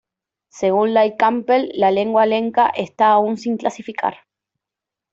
Según Lyle Campbell, la lengua lenca está aún sin clasificar.